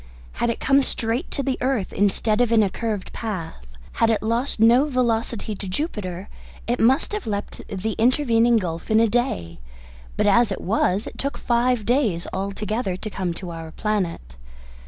Had it come straight to the earth instead of in a curved path, had it lost no velocity to Jupiter, it must have leapt the intervening gulf in a day; but as it was, it took five days altogether to come by our planet.